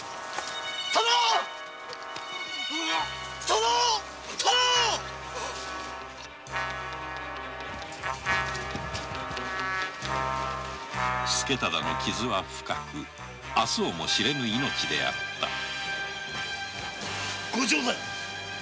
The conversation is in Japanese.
殿資忠の傷は深く明日をも知れぬ命であったご城代！